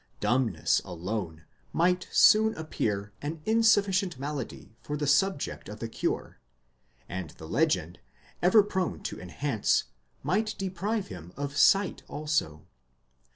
Dumbness alone might soon appear an in sufficient malady for the subject of the cure, and the legend, ever prone to enhance, might deprive him of sight also.